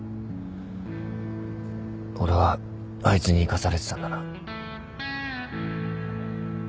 俺はあいつに生かされてたんだな。